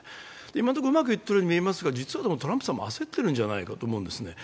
今のところうまくいっているように見えますがトランプさんも焦っているんじゃないかと思うんですね。